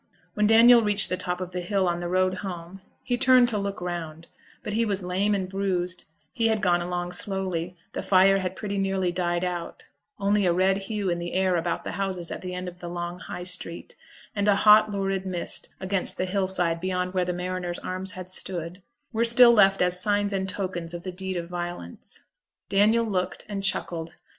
When Daniel reached the top of the hill on the road home, he turned to look round; but he was lame and bruised, he had gone along slowly, the fire had pretty nearly died out, only a red hue in the air about the houses at the end of the long High Street, and a hot lurid mist against the hill side beyond where the Mariners' Arms had stood, were still left as signs and token of the deed of violence. Daniel looked and chuckled.